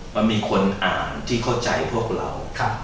มันมีคนอ่านที่เข้าใจพวกเรา